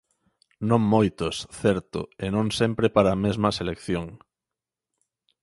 Non moitos, certo, e non sempre para a mesma selección.